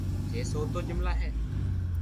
ڇي سو تو جملا ھي